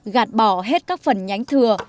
gạt bỏ hết các phần nhánh thừa